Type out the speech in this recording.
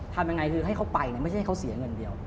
ทำยังไงคือให้เขาไปไม่ใช่ให้เขาเสียเงินเดียว